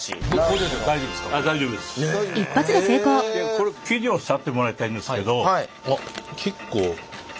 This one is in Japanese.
これ生地を触ってもらいたいんですけど。